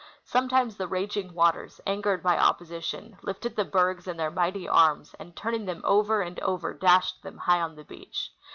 Sometimes the raging Avaters, angered by opposition, lifted the bergs in their mighty arms and, turning them over and over, dashed them high on the beach.